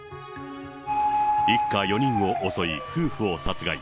一家４人を襲い、夫婦を殺害。